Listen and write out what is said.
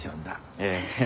ええ。